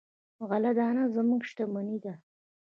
غله دانه زموږ شتمني ده.